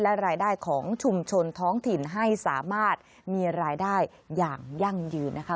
และรายได้ของชุมชนท้องถิ่นให้สามารถมีรายได้อย่างยั่งยืนนะคะ